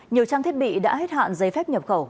nhiều trang thiết bị đã hết hạn giấy phép nhập khẩu